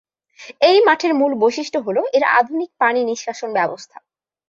এই মাঠের মূল বৈশিষ্ট্য হল এর আধুনিক পানি নিষ্কাশন ব্যবস্থা।